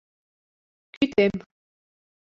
— Кӱтем.